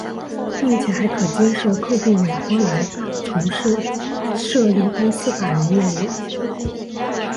并且还可接受客户委托来从事设立公司法人业务。